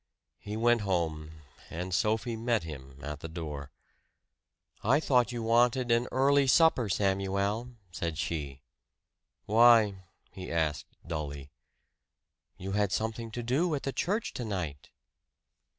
He went home, and Sophie met him at the door. "I thought you wanted an early supper, Samuel," said she. "Why?" he asked dully. "You had something to do at the church tonight!"